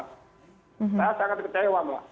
saya sangat kecewa mbak